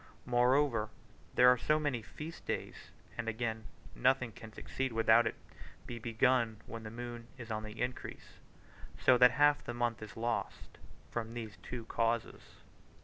Moreover, there are so many feast days; and again, nothing can succeed without it be begun when the moon is on the increase; so that half the month is lost from these two causes.